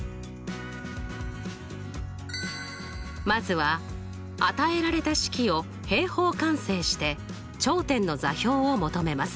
まずは与えられた式を平方完成して頂点の座標を求めます。